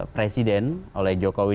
presiden oleh jokowi